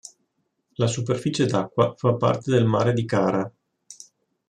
La superficie d'acqua fa parte del mare di Kara.